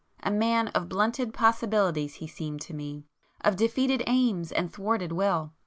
A man of blunted possibilities he seemed to me,—of defeated aims, and thwarted will.